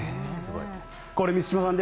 これ、満島さん